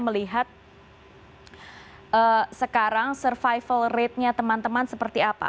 melihat sekarang survival ratenya teman teman seperti apa